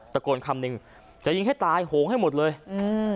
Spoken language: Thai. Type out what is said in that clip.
ตะโกนคำหนึ่งจะยิงให้ตายโหงให้หมดเลยอืม